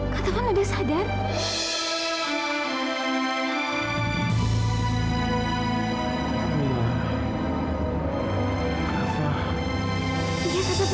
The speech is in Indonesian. kak tovan kenapa kak